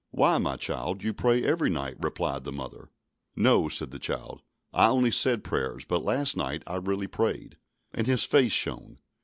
"Why, my child, you pray every night!" replied the mother. "No," said the child, "I only said prayers, but last night I really prayed." And his face shone.